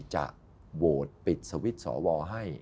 จะโหวตปิดสวิตช์สวให้